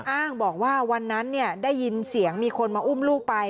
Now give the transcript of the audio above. อ้างบอกว่าวันนั้นได้ยินเสียงมีคนมาอุ้มลูกไป